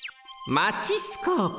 マチスコープ。